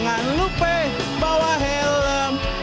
gak lupa bawa helm